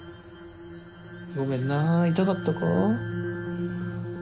ごめんな痛かったか？